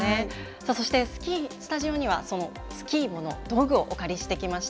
さあ、そしてスタジオにはそのスキーモの道具をお借りしてきました。